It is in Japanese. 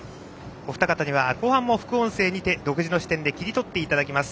お二方には、後半も副音声にて独自の視点で切り取っていただきます。